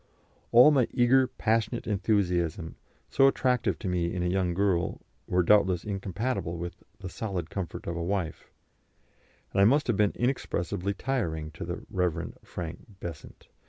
All my eager, passionate enthusiasm, so attractive to men in a young girl, were doubtless incompatible with "the solid comfort of a wife," and I must have been inexpressibly tiring to the Rev. Frank Besant.